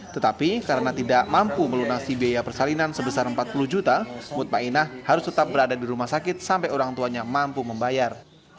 tetapi karena tidak mampu melunasi biaya persalinan sebesar empat puluh juta mutmainah ⁇ harus tetap berada di rumah sakit sampai orang tuanya mampu membayar